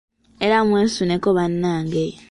Era mwesuneko bannange.